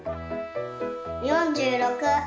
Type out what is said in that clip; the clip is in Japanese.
４６！